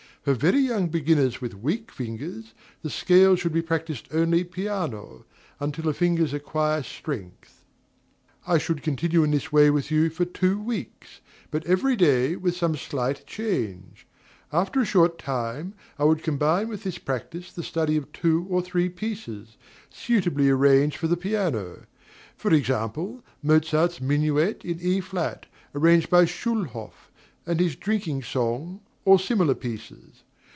For very young beginners with weak fingers, the scales should be practised only piano, until the fingers acquire strength. I should continue in this way with you for two weeks, but every day with some slight change. After a short time, I would combine with this practice the study of two or three pieces, suitably arranged for the piano; for example, Mozart's minuet in E flat, arranged by Schulhoff, and his drinking song, or similar pieces.